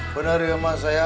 benar ya mas saya